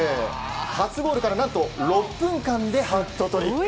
初ゴールから何と６分間でハットトリック。